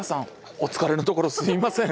お疲れのところすいません。